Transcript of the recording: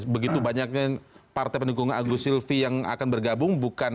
begitu banyaknya partai pendukung agus silvi yang akan bergabung